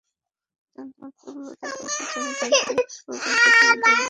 জান, তোমার দুর্বলতায় পাশের জমিদারদের পর্যন্ত তুমি দুর্বল করে তুলেছ?